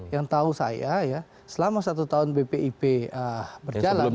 yang tahu saya ya selama satu tahun bpip berjalan